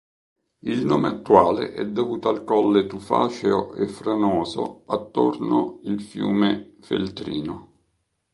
Il nome attuale è dovuto al colle tufaceo e franoso attorno il fiume Feltrino.